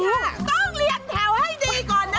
ต้องเลี้ยงแถวให้ดีก่อนนะ